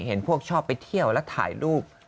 เห็นพวกชอบไปเที่ยวแล้วถ่ายรูป